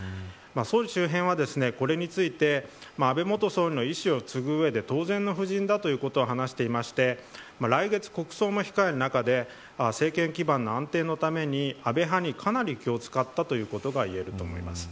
総理周辺はこれについて安倍元総理の意思を継ぐ上で当然の布陣だということを話していまして来月、国葬も控える中で政権基盤の安定のために安倍派にかなり気を使ったということが言えると思います。